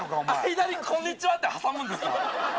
間にこんにちはって挟むんですか。